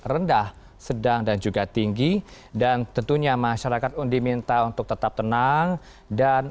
rendah sedang dan juga tinggi dan tentunya masyarakat undi minta untuk tetap tenang dan